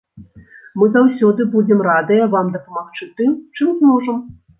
Мы заўсёды будзем радыя вам дапамагчы тым, чым зможам.